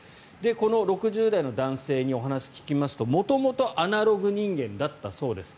この６０代の男性にお話を聞きますと元々アナログ人間だったそうです。